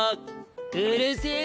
うるせぇ。